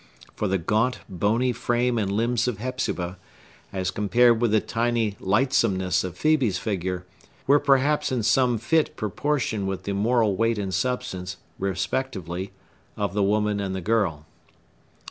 For the gaunt, bony frame and limbs of Hepzibah, as compared with the tiny lightsomeness of Phœbe's figure, were perhaps in some fit proportion with the moral weight and substance, respectively, of the woman and the girl.